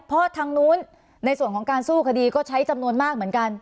เพราะทางนู้นในส่วนของการสู้คดีก็ใช้จำนวนมากเหมือนกัน